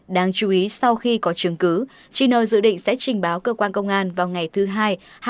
đáng chú ý sau khi có chứng cứ chino dự định sẽ trình báo cơ quan công an vào ngày thứ hai